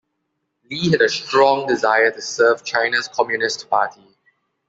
Li had a strong desire to serve China's Communist Party.